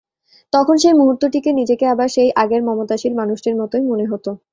তখন সেই মুহূর্তটিতে নিজেকে আবার সেই আগের মমতাশীল মানুষটির মতোই মনে হত।